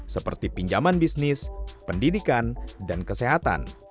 seperti pinjaman bisnis pendidikan dan kesehatan